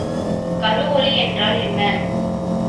கருவொளி என்றால் என்ன?